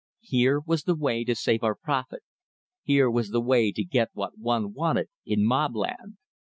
Here was the way to save our prophet! Here was the way to get what one wanted in Mobland!